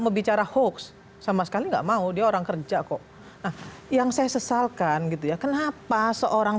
membicara hoax sama sekali nggak mau dia orang kerja kok nah yang saya sesalkan gitu ya kenapa seorang